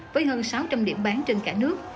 với hơn sáu trăm linh điểm bán trên cả nước